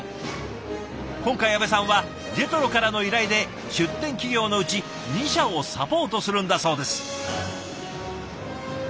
今回阿部さんはＪＥＴＲＯからの依頼で出展企業のうち２社をサポートするんだそうです。